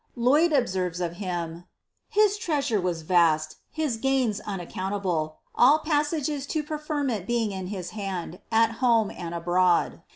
Lloyd observes of him, ''Hi* treasure was vast, his gains unaccountable, all passages to prefei> meiit being in his hand, at home and abroad.